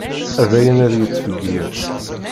A dayen ad yettfeggiḍ.